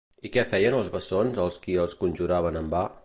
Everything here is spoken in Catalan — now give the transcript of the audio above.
I què feien els bessons als qui els conjuraven en va?